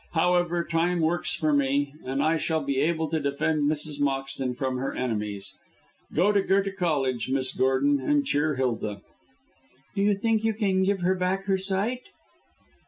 However, Time works for me, and I shall be able to defend Mrs. Moxton from her enemies. Go to Goethe Cottage, Miss Gordon, and cheer Hilda." "Do you think you can give her back her sight?"